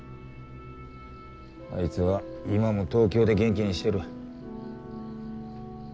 あいつは今も東京で元気にしてる。